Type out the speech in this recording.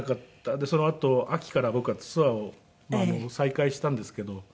でそのあと秋から僕はツアーを再開したんですけど。